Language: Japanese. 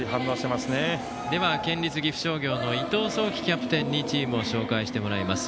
では、県立岐阜商業の伊藤颯希キャプテンにチームを紹介してもらいます。